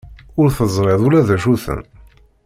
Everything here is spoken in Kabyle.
Ur teẓriḍ ula d acu-ten.